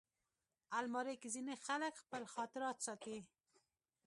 الماري کې ځینې خلک خپل خاطرات ساتي